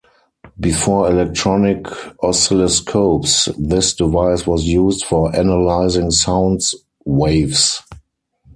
Before electronic oscilloscopes, this device was used for analyzing sounds waves.